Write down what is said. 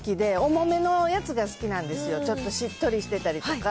重めのやつが好きなんですよ、ちょっとしっとりしてたりとか。